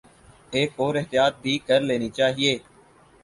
ایک اور احتیاط بھی کر لینی چاہیے۔